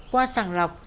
qua sàng lọc